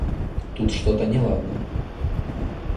Тут что-то неладно.